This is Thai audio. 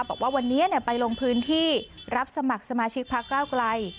บอกว่าวันนี้ไปลงพื้นที่รับสมัครสมาชิกพักเก้าไกล